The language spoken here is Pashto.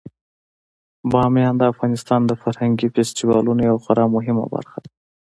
بامیان د افغانستان د فرهنګي فستیوالونو یوه خورا مهمه برخه ده.